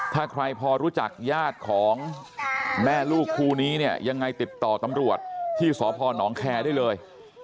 ถ้าใครพอรู้จักญาติของแม่ลูกคู่นี้เนี่ยยังไงติดต่อตำรวจที่สพนแคร์ได้เลย